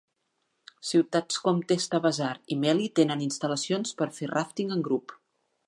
Ciutats com Teesta Bazaar i Melli tenen instal·lacions per a fer ràfting en grup.